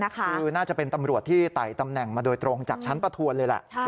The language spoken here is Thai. คือน่าจะเป็นตำรวจที่ไต่ตำแหน่งมาโดยตรงจากชั้นประทวนเลยแหละ